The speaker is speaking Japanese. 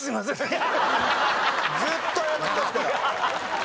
ずっと謝りますから。